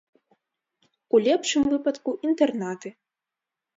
У лепшым выпадку, інтэрнаты.